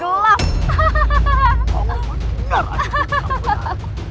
kau benar aja kakak